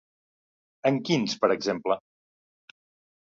En quins, per exemple?